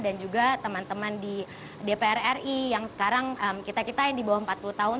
dan juga teman teman di dpr ri yang sekarang kita kita yang di bawah empat puluh tahun